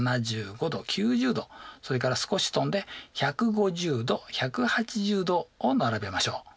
それから少し飛んで１５０°１８０°を並べましょう。